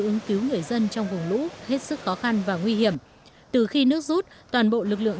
ứng cứu người dân trong vùng lũ hết sức khó khăn và nguy hiểm từ khi nước rút toàn bộ lực lượng